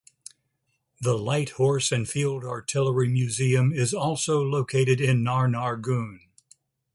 The Light Horse and Field Artillery Museum is also located in Nar Nar Goon.